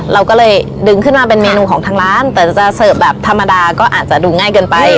เราก็เลยดึงขึ้นมาเป็นเมนูของทางร้านแต่จะเสิร์ฟแบบธรรมดาก็อาจจะดูง่ายเกินไป